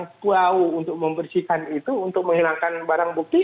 yang tahu untuk membersihkan itu untuk menghilangkan barang bukti